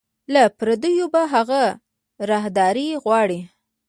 له پردیو به هغه راهداري غواړي